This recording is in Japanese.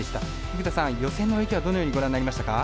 生田さん、予選の泳ぎはどのようにご覧になりましたか？